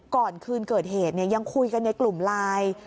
ก่อนคืนเกิดเหตุยังคุยกันในกลุ่มไลน์